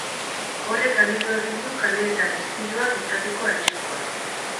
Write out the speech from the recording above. Horrek handitu egin du kaleetan istiluak izateko arriskua.